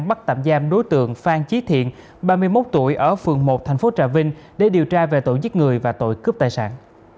bắt tạm giam đối tượng phan trí thiện ba mươi một tuổi ở phường một thành phố trà vinh để điều tra về tội giết người và tội cướp tài sản